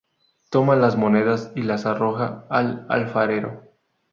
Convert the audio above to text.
Toma las monedas y las arroja "al alfarero".